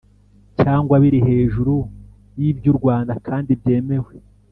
cyangwa biri hejuru y iby u Rwanda kandi byemewe